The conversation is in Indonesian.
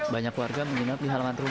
banyak warga menginap di halaman rumah